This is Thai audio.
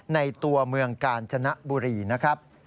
ในตัวเมืองกาญจนบุรีนะครับ